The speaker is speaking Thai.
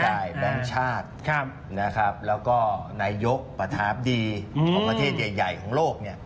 ใช่แบ่งชาตินะครับแล้วก็นายกประทาบดีของประเทศใหญ่ของโลกเนี่ย